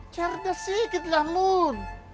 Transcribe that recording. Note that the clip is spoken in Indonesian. cerda sikitlah mun